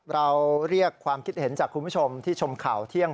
เราเรียกความคิดเห็นจากคุณผู้ชมที่ชมข่าวเที่ยง